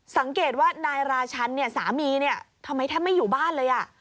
สังเกตว่านายราชันสามีทำไมแทบไม่อยู่บ้านเลย